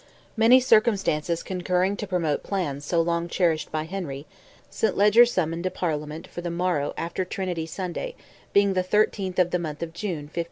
Many circumstances concurring to promote plans so long cherished by Henry, St. Leger summoned a Parliament for the morrow after Trinity Sunday, being the 13th of the month of June, 1541.